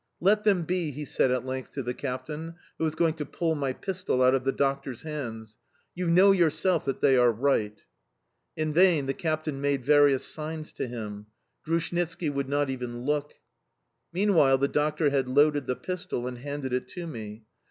"Let them be!" he said at length to the captain, who was going to pull my pistol out of the doctor's hands. "You know yourself that they are right." In vain the captain made various signs to him. Grushnitski would not even look. Meanwhile the doctor had loaded the pistol and handed it to me.